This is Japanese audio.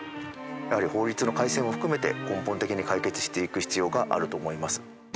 やはり法律の改正も含めて根本的に解決していく必要があると思います。